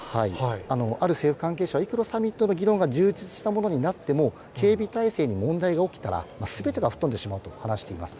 ある政府関係者、いくらサミットで議論が充実したものになっても、警備態勢に問題が起きたら、すべてが吹っ飛んでしまうと話しています。